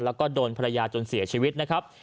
แล้วก็โดนภรรยาจนเสียชีวิตนะครับ